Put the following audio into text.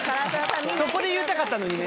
そこで言いたかったのにね。